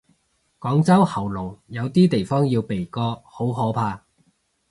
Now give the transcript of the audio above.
廣州喉嚨，有啲地方要鼻哥，好可怕。